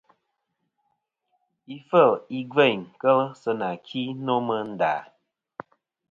Ifel i gveyn kel sɨ nà ki nô mɨ nda.